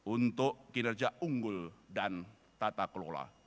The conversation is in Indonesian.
untuk kinerja unggul dan tata kelola